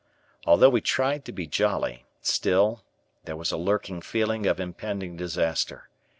Although we tried to be jolly, still, there was a lurking feeling of impending disaster.